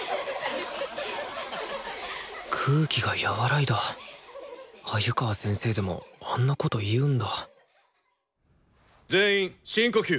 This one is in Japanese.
空気が和らいだ鮎川先生でもあんなこと言うんだ全員深呼吸！